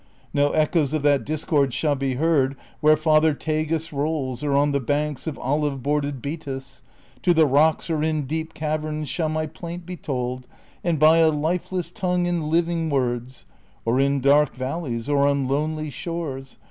No echoes of that discord shall be heard Where Father Tagus rolls, or on the banks Of olive bordered Betis ;^ to the rocks Or in deep caverns shall my plaint be told, And by a lifeless tongue in living words ; Or in dark valleys or on lonely shores.